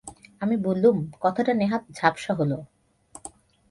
আমি বললুম, কথাটা নেহাত ঝাপসা হল।